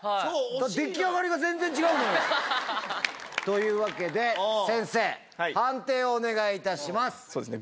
出来上がりが全然違うもん。というわけで、先生、判定をお願そうですね。